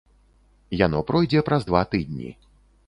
Яно пройдзе праз два тыдні.